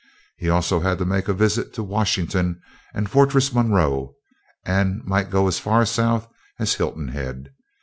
He also had to make a visit to Washington and Fortress Monroe, and might go as far south as Hilton Head.